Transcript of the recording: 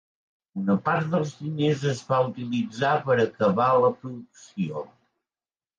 Una part dels diners es va utilitzar per acabar la producció.